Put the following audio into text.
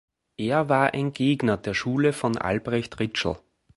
Er war ein Gegner der Schule von Albrecht Ritschl.